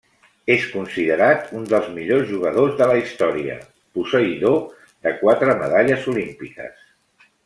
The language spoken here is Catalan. És considerat un dels millors jugadors de la història, posseïdor de quatre medalles olímpiques.